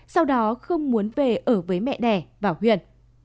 sau đó không muốn về ở với mẹ đẻ vào huyện